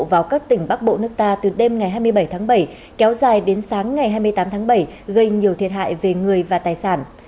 vào các tỉnh bắc bộ nước ta từ đêm ngày hai mươi bảy tháng bảy kéo dài đến sáng ngày hai mươi tám tháng bảy gây nhiều thiệt hại về người và tài sản